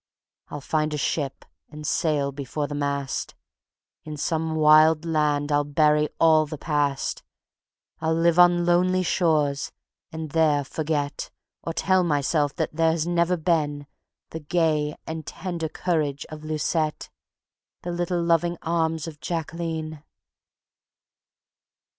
I'll find a ship and sail before the mast; In some wild land I'll bury all the past. I'll live on lonely shores and there forget, Or tell myself that there has never been The gay and tender courage of Lucette, The little loving arms of Jacqueline.